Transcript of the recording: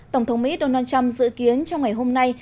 tổng thống mỹ donald trump dự kiến trong ngày hôm nay